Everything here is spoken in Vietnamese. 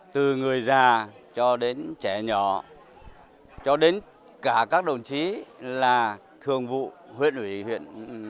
từ người già cho đến trẻ nhỏ cho đến cả các đồng chí là thường vụ huyện ủy huyện